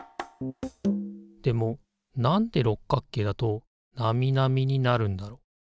でも何で六角形だとナミナミになるんだろ？